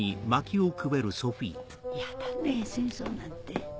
やだねぇ戦争なんて。